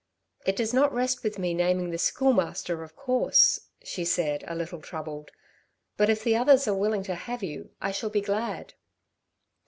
"It does not rest with me, naming the Schoolmaster, of course," she said, a little troubled. "But if the others are willing to have you I shall be glad."